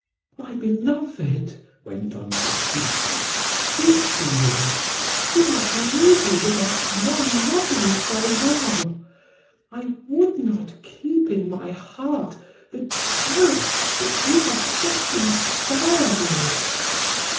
"My beloved," went on Paquita, "speak to me; do not leave me without one loving farewell! I would not keep in my heart the terror which you have just inspired in it....